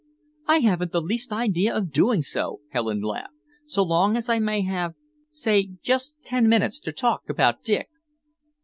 "I haven't the least idea of doing so," Helen laughed, "so long as I may have say just ten minutes to talk about Dick."